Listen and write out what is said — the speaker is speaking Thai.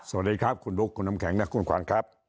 สวัสดีครับคุณบุ๊คคุณน้ำแข็งและคุณขวัญครับ